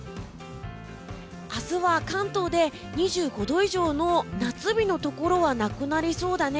明日は関東で２５度以上の夏日のところはなくなりそうだね。